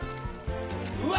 うわ！